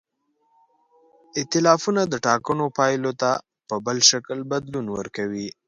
ایتلافونه د ټاکنو پایلو ته په بل شکل بدلون ورکوي.